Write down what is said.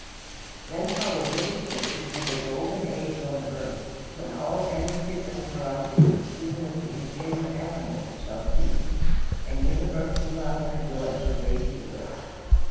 Then follow vivid pictures of a golden age on earth, beneath his sway, when all enmities and ferocities even of the inferior animals shall cease, and universal love and joy pervade the earth.